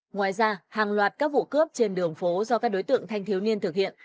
ngoài ra hàng loạt các vụ cướp trên đường phố do các đối tượng thanh thiếu niên thực hiện